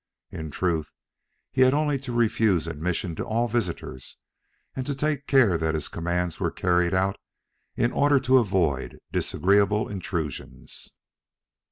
In truth, he had only to refuse admission to all visitors and to take care that his commands were carried out in order to avoid disagreeable intrusions.